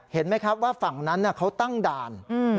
เห็นไหมครับว่าฝั่งนั้นเขาตั้งด่าน